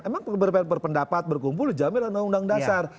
emang berpendapat berkumpul jamil dengan undang dasar